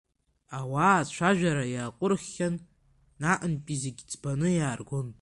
Ауаа ацәажәара иаҟәырххьан, наҟынтәи зегьы ӡбаны иааргон…